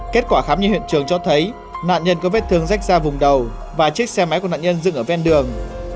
kết quả khám nghi huyện trường cho thấy nạn nhân có vết thương rách ra vùng đầu và chiếc xe máy của nạn nhân dựng ở ven đường